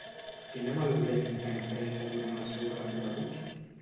Quina melodia s'interpreta durant el seu recorregut?